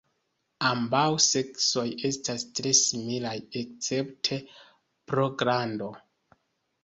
Ambaŭ seksoj estas tre similaj escepte pro grando.